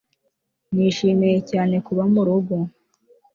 Nishimiye cyane kuba murugo